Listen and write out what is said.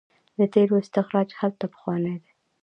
د تیلو استخراج هلته پخوانی دی.